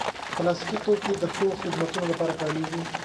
پلاستيکي توکي د ښو خدمتونو لپاره کارېږي.